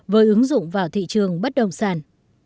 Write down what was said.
với ứng dụng vào thị trường bất đồng sản